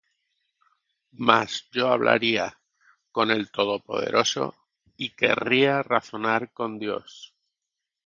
Mas yo hablaría con el Todopoderoso, Y querría razonar con Dios.